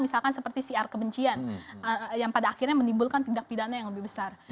misalkan seperti siar kebencian yang pada akhirnya menimbulkan tindak pidana yang lebih besar